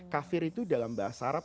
kafir itu dalam bahasa arab